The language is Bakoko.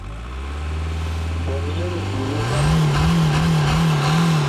Ɓɔŋ yeŋ eɓolo va vɔŋɔ.